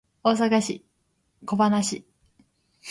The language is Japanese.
大阪市此花区